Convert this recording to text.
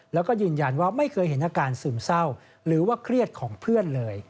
แล้วก็ยืนยันว่าไม่เคยเห็นอาการซึมเศร้าหรือว่าเครียดของเพื่อนเลย